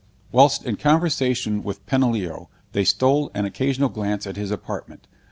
Whilst in conversation with Peneleo, they stole an occasional glance at his apartment.